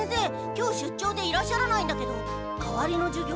今日出張でいらっしゃらないんだけど代わりの授業